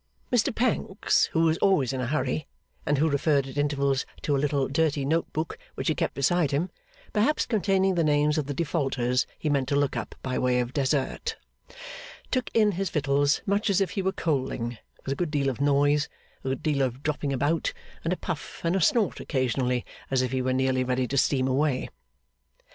Mr Pancks, who was always in a hurry, and who referred at intervals to a little dirty notebook which he kept beside him (perhaps containing the names of the defaulters he meant to look up by way of dessert), took in his victuals much as if he were coaling; with a good deal of noise, a good deal of dropping about, and a puff and a snort occasionally, as if he were nearly ready to steam away.